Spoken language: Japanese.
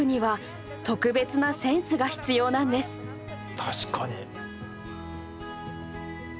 確かに。